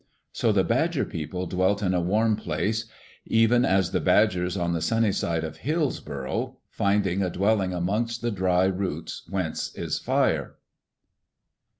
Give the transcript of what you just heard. So the Badger people dwelt in a warm place, even as the badgers on the sunny side of hills burrow, finding a dwelling amongst the dry roots whence is fire.